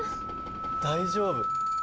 大丈夫？